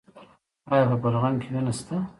ایا په بلغم کې وینه شته؟